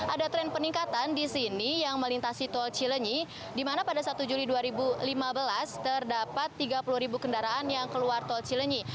ada tren peningkatan di sini yang melintasi tol cilenyi di mana pada satu juli dua ribu lima belas terdapat tiga puluh ribu kendaraan yang keluar tol cilenyi